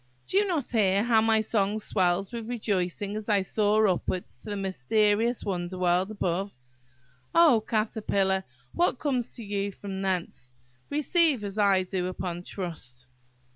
Do you not hear how my song swells with rejoicing as I soar upwards to the mysterious wonder world above? Oh, Caterpillar! what comes to you from thence, receive, as I do, upon trust."